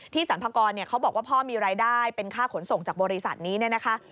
สรรพากรเขาบอกว่าพ่อมีรายได้เป็นค่าขนส่งจากบริษัทนี้เนี่ยนะคะ